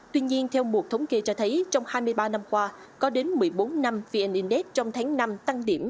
tuy nhiên theo một thống kê cho thấy trong hai mươi ba năm qua có đến một mươi bốn năm vn index trong tháng năm tăng điểm